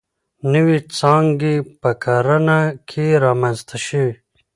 نوې څانګې په کرنه کې رامنځته شوې.